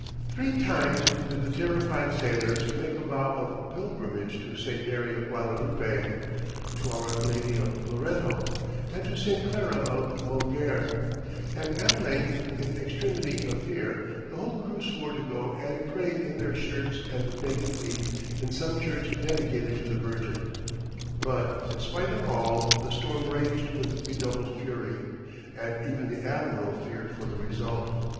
Three times did the terrified sailors make a vow of pilgrimage to St. Mary of Guadalupe, to our Lady of Loretto, and to St. Clara of Moguer, and at length, in extremity of fear, the whole crew swore to go and pray in their shirts and with naked feet in some church dedicated to the Virgin. But in spite of all, the storm raged with redoubled fury, and even the admiral feared for the result.